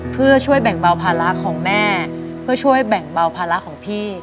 เพื่อช่วยแบ่งเบาภาระของแม่เพื่อช่วยแบ่งเบาภาระของพี่